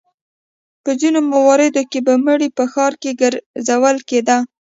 په ځینو مواردو کې به مړی په ښار کې ګرځول کېده.